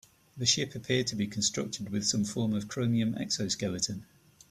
The ship appeared to be constructed with some form of chromium exoskeleton.